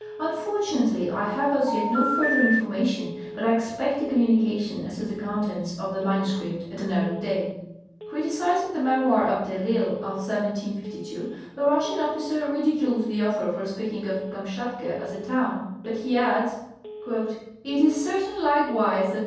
Unfortunately, I have as yet no further information, but I expect a communication as to the contents of the MSS. at an early day. Criticising the memoir of de I'Isle of 1752, the Russian officer ridicules the author for S2)eaking of Kamshatka as a town, but he adds :*" It is certain likewise that M.